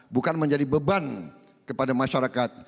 bukan menjadi beban kepada masyarakat